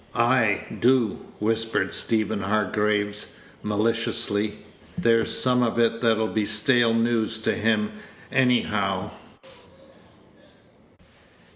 "Ay, do," whispered Stephen Hargraves, maliciously; "there's some of it that'll be stale news to him, anyhow."